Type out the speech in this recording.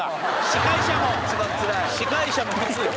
司会者もきつい。